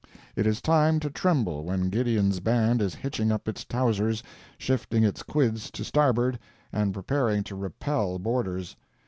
It is time to tremble when Gideon's Band is hitching up its towsers, shifting its quids to starboard, and preparing to repel boarders!